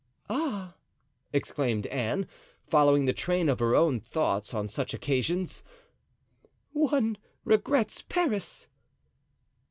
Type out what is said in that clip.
"Ah!" exclaimed Anne, following the train of her own thoughts on such occasions, "one regrets Paris!"